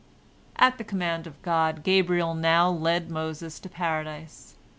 At the command of God, Gabriel now led Moses to Paradise.